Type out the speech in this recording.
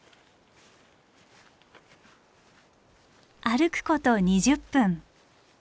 歩くこと２０分。